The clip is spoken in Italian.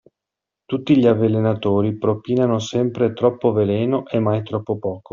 Tutti gli avvelenatori propinano sempre troppo veleno e mai troppo poco.